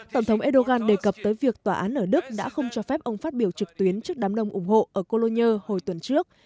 tổng thống erdogan đề cập tới việc tòa án ở đức đã không cho phép ông phát biểu trực tuyến trước đám đông ủng hộ ở colonier hồi tuần trước